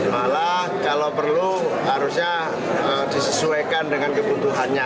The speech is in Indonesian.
malah kalau perlu harusnya disesuaikan dengan kebutuhannya